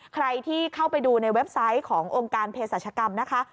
ใครที่เข้าไปดูในเว็บไซต์ขององค์การเพศรัชกรรมนะคะ